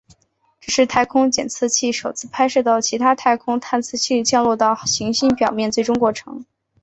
这是太空探测器首次拍摄到其他太空探测器降落到行星表面最终过程。